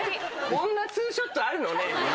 こんなツーショットあるの？ねぇ。